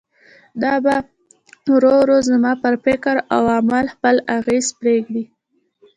دا به ورو ورو زما پر فکر او عمل خپل اغېز پرېږدي.